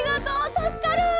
たすかる！